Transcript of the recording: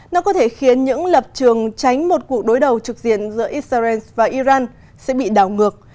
nó có thể khiến những lập trường tránh một cuộc đối đầu trực diện giữa israel và iran sẽ bị đảo ngược